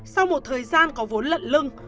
sau một thời gian có vốn lận lưng